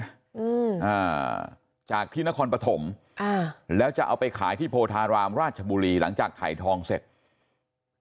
อืมอ่าจากที่นครปฐมอ่าแล้วจะเอาไปขายที่โพธารามราชบุรีหลังจากถ่ายทองเสร็จ